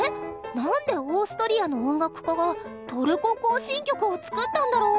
なんでオーストリアの音楽家が「トルコ行進曲」を作ったんだろう？